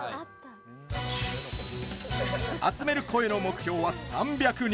集める声の目標は３００人。